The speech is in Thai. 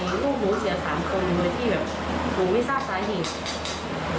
ลูกหนูเสียสามคนโดยที่แบบหนูไม่ทราบสาเหตุ